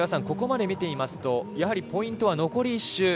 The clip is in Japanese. ここまで見ていますとやはりポイントは残り１周。